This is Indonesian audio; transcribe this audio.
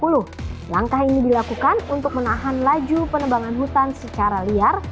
langkah ini dilakukan untuk menahan laju penebangan hutan secara liar